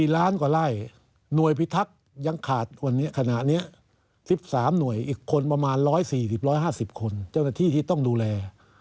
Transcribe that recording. ล้านกว่าไล่หน่วยพิทักษ์ยังขาดวันนี้ขณะนี้๑๓หน่วยอีกคนประมาณ๑๔๐๑๕๐คนเจ้าหน้าที่ที่ต้องดูแล